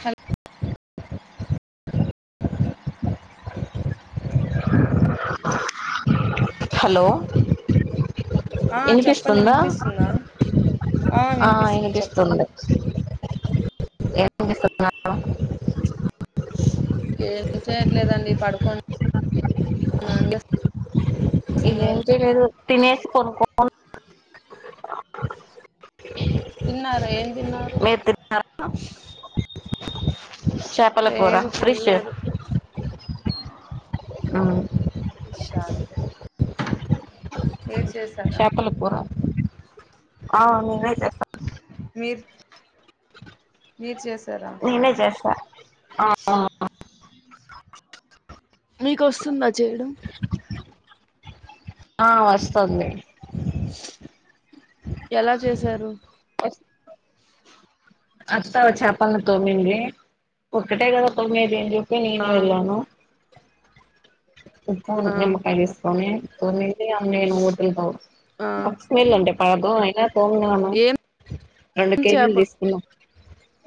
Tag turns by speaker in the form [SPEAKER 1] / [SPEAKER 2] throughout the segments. [SPEAKER 1] Hello
[SPEAKER 2] అ hello
[SPEAKER 1] ఆ చెప్పండి
[SPEAKER 2] వినిపిస్తుందా
[SPEAKER 1] వినిపిస్తుందా
[SPEAKER 2] ఆ వినిపిస్తుంది వినిపిస్తున్నారు
[SPEAKER 1] ఏం చేయట్లేదండి పడుకొని ఉన్నా
[SPEAKER 2] ఏం చేలేదు తినేసి పనుకోనున్నాను
[SPEAKER 1] తిన్నారా ఏం తిన్నారు
[SPEAKER 2] చేపల కూర
[SPEAKER 1] లేదు
[SPEAKER 2] ఫ్రిష్
[SPEAKER 1] తినలేదు
[SPEAKER 2] అవు
[SPEAKER 1] పిషా వేడి చేసి
[SPEAKER 2] చేపల కూర ఆ నువ్వే చెప్పా
[SPEAKER 1] మీర్ మీరు చే
[SPEAKER 2] నేనే చేస్తా అవును
[SPEAKER 1] మీకు వస్తుందా చేయడం
[SPEAKER 2] ఆ వస్తుంది
[SPEAKER 1] ఎలా చేసారు
[SPEAKER 2] వస్ అత్త చేపల్ని తోమ్మింది ఒక్కటే కదా తోమ్మేది అని చెప్పి
[SPEAKER 1] ఆ
[SPEAKER 2] నేను వెళ్ళాను
[SPEAKER 1] ఆ
[SPEAKER 2] నిమ్మకాయ తీసుకొని తొమ్మిది అ నేను టిలు
[SPEAKER 1] ఆ
[SPEAKER 2] వీలుండి పదం అయినా తోమిన్నాను
[SPEAKER 1] ఏం
[SPEAKER 2] రెండు కేజీలు
[SPEAKER 1] చేపలు
[SPEAKER 2] తీసుకున్నాం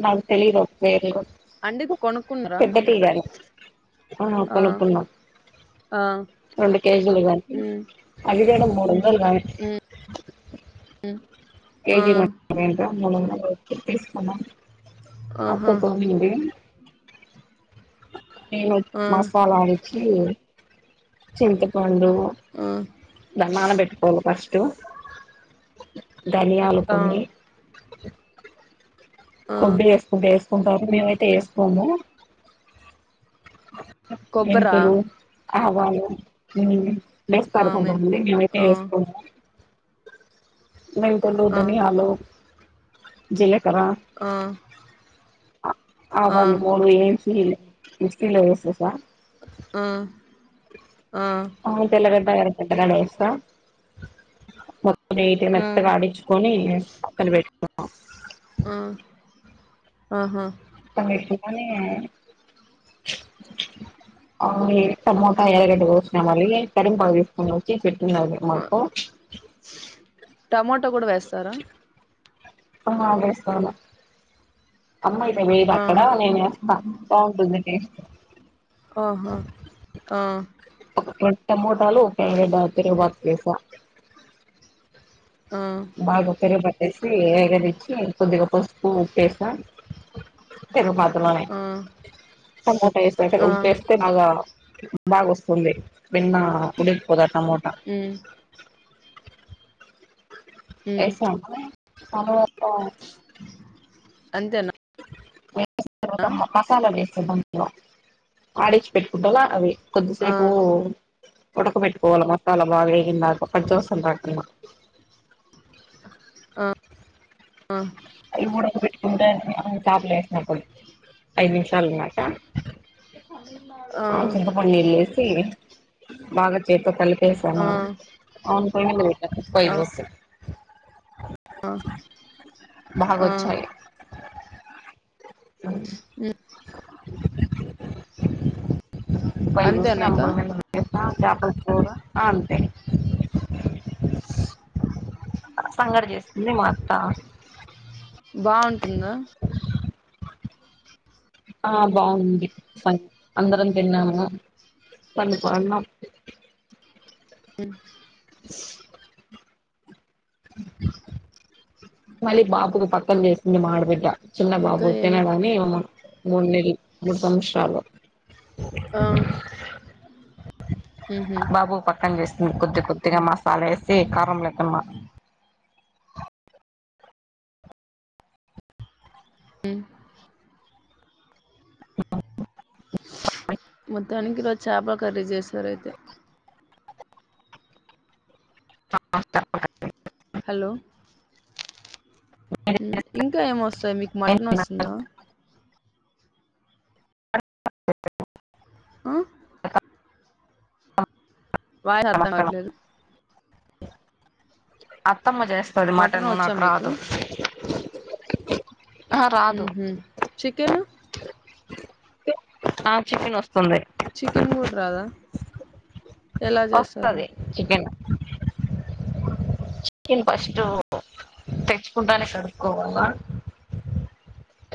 [SPEAKER 2] నాకు తెలిదు వేర్
[SPEAKER 1] అండీ కొనుకున్నారా
[SPEAKER 2] ఆ కొనుక్కున్నాం
[SPEAKER 1] ఆ
[SPEAKER 2] రెండు కేజీలు కానీ
[SPEAKER 1] ఉమ్
[SPEAKER 2] అదిగడ మూడు వందలు కానీ
[SPEAKER 1] ఉమ్ ఆ
[SPEAKER 2] కేజీంట మూడు వందలకు తీసుకున్నాం అత్త
[SPEAKER 1] ఆహా
[SPEAKER 2] తోమింది నేను
[SPEAKER 1] ఆ
[SPEAKER 2] మసాలాడిచి చింతపండు
[SPEAKER 1] ఆ
[SPEAKER 2] నాన పెట్టుకోవాలి ఫస్టు ధనియాలు
[SPEAKER 1] ఆ
[SPEAKER 2] కొన్ని కొబ్బరి వేసుకుంటే వేసుకుంటారు మేమైతే వేసుకోము
[SPEAKER 1] కొబ్బరా
[SPEAKER 2] మెంతులు ఆవాలు ఉ వేస్తారు
[SPEAKER 1] ఆమెన్
[SPEAKER 2] కొంతమంది మేమైతే
[SPEAKER 1] ఆ
[SPEAKER 2] వేసుకోం మెంతులు
[SPEAKER 1] ఆ
[SPEAKER 2] ధనియాలు జీలకర్ర
[SPEAKER 1] ఆ ఆ
[SPEAKER 2] ఆవాలు మెంతులు వేయించి మిక్సీలో వేసేసా
[SPEAKER 1] ఆ ఆ
[SPEAKER 2] తెల్లగడ్డ ఎర్రగడ్డ కూడా వేస్తా
[SPEAKER 1] ఆ
[SPEAKER 2] మెత్తగా ఆడిచ్చి కొని ఏంచి పక్కన పెట్టుకున్న
[SPEAKER 1] ఆ ఆహా
[SPEAKER 2] దాన్ని తిప్పుకొని అవు టమోటా ఎర్రగడ్డ కోసినా మరి కొనుక్కొని వచ్చి పెట్టుకున్నావు మాకు
[SPEAKER 1] టమాటా కూడా వేస్తారా
[SPEAKER 2] ఆ వేస్తాము అమ్మాయితే వేయదు
[SPEAKER 1] ఆ
[SPEAKER 2] అక్కడ నేను వేస్తా బాగుంటుంది టేస్ట్
[SPEAKER 1] ఆహా ఆ
[SPEAKER 2] ఒక టమోటాలు ఒకే ఎలిగడ్డ తిరగబాతు వేసా
[SPEAKER 1] ఆ
[SPEAKER 2] బాగా పెరుగు పట్టేసి ఎగరిచ్చి కొద్దిగా పసుపు ఉప్పేసా తిరిగే మధ్యలోనే
[SPEAKER 1] ఆ
[SPEAKER 2] టమాట
[SPEAKER 1] ఆ
[SPEAKER 2] ఉప్పేస్తే బాగా వస్తుంది బిన్న ఉడికిపోతాది టమోటా
[SPEAKER 1] ఉమ్ మ్మ్
[SPEAKER 2] వేసాము
[SPEAKER 1] అంతేనా
[SPEAKER 2] వేసిన తర్వాత
[SPEAKER 1] ఆ
[SPEAKER 2] మా మసాలా వేస్తా ఆడిచ్చ పెట్టుకుంటాలా అవి
[SPEAKER 1] ఆ
[SPEAKER 2] కొద్దిసేపు ఉడక పెట్టుకోవాల మసాలా బాగ వేగిందాక [unintelligible] రాకుండా
[SPEAKER 1] ఆ ఆ
[SPEAKER 2] అ ఉడక పెట్టుకుంటే చేపలు వేసినప్పుడు ఐదు నిమిషాలు అన్నమాట
[SPEAKER 1] ఆ
[SPEAKER 2] వేసి బాగా చేతో కలిపేసామ
[SPEAKER 1] ఆ
[SPEAKER 2] [unintelligible]
[SPEAKER 1] ఆ
[SPEAKER 2] బాగ వచ్చాయ్
[SPEAKER 1] ఉ అంతేనా ఇక
[SPEAKER 2] [unintelligible] చేపల కూర అంతే సంగటి చేస్తుంది మా అత్త
[SPEAKER 1] బాగుంటుంద
[SPEAKER 2] ఆ బాగుంది అందరం తిన్నాము పన్కొన్నాం
[SPEAKER 1] అ
[SPEAKER 2] మళ్ళీ బాబుకు పక్కన చేసింది మా ఆడబిడ్డ చిన్న
[SPEAKER 1] ఇంకా
[SPEAKER 2] బాబు
[SPEAKER 1] ఏమి
[SPEAKER 2] తినడని మూడు [unintelligible] మూడు సంవత్సరాలు
[SPEAKER 1] ఆ మ్మ్ హు
[SPEAKER 2] బాబు పక్కన చేస్తుంది కొద్ది కొద్దిగా మసాలా వేసి కారం లేకున్న
[SPEAKER 1] మొత్తానికి [unintelligible] చేప కర్రీ చేశారు అయితే
[SPEAKER 2] [unintelligible]
[SPEAKER 1] హలో ఇంక ఏమొస్తాయి మీకు మటన్ వస్తుంద ఆ [unintelligible]
[SPEAKER 2] అత్తమ్మ చేస్తది మటన్
[SPEAKER 1] వచ్చా
[SPEAKER 2] నాకు
[SPEAKER 1] మీకు?
[SPEAKER 2] రాదు ఆ రాదు
[SPEAKER 1] ఉహు చికెను
[SPEAKER 2] ఆ చికెన్ వస్తుంది
[SPEAKER 1] చికెన్ కూడ రాదా ఎలా చేస్తారు?
[SPEAKER 2] వస్తది చికెన్ చికెన్ ఫస్ట్ తెచ్చుకుంటానే కడుకోవాల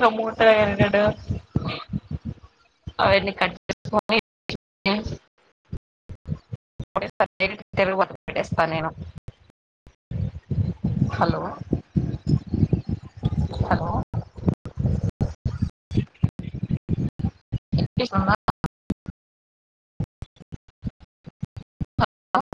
[SPEAKER 2] టమోట ఎర్రగడ్డ అవన్నీ కట్ చేసుకొని [unintelligible] [unintelligible] పెట్టేస్త నేను హలో హలో అ